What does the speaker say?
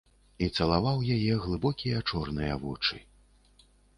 І цалаваў яе глыбокія чорныя вочы.